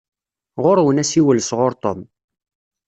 Ɣuṛ-wen asiwel sɣuṛ Tom.